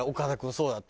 そうだった。